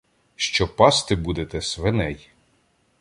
Що пасти будете свиней.